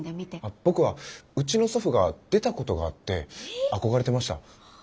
僕はうちの祖父が出たことがあって憧れてました。